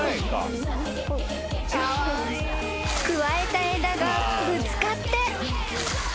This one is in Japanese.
［くわえた枝がぶつかって］